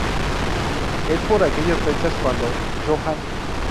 Es por aquellas fechas cuando Johann.